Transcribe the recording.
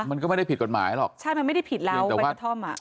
มันก็ไม่ได้ผิดกฎหมายหรอกใช่มันไม่ได้ผิดแล้วใบกระท่อมอ่ะ